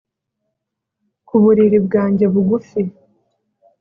ku buriri bwanjye bugufi.